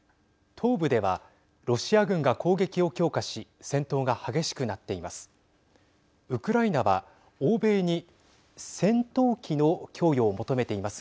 東部ではロシア軍が攻撃を強化し戦闘が激しくなっています。